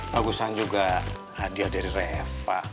bagusan juga hadiah dari refa